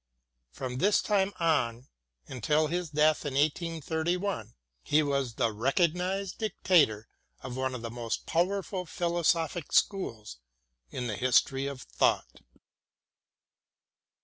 From this time on until his death in 1831, he was the recognized dictator of one of the most powerful philosophic schools in the history of thought.